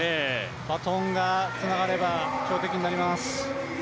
バトンがつながれば強敵になります。